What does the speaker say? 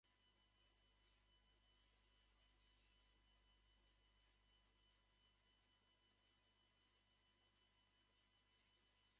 何気ない言葉が胸の中に溶けていく。それが涙となり、溢れるよ。当たり前のことがどこか美しく見えた。だから、そばにいたいんだ。明日も君に会えると願う、人はそれを愛と呼ぶのだろう。